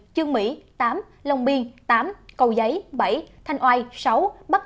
chương mỹ tám lòng biên tám cầu giấy bảy thanh oai sáu bắc tây bảy